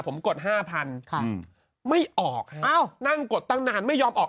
ผมกดห้าพันค่ะไม่ออกฮะอ้าวนั่งกดตั้งนานไม่ยอมออก